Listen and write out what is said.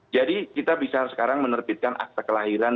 jadi kita bisa sekarang menerbitkan akte kelahiran